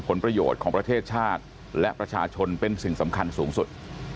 ผลประโยชน์ของประเทศชาติและประชาชนเป็นสิ่งสำคัญสูงสุด